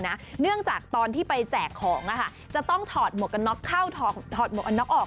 เนื่องจากตอนที่ไปแจกของจะต้องถอดหมวกกันน็อกเข้าถอดหมวกกันน็อกออก